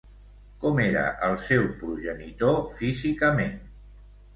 Com era el seu progenitor físicament?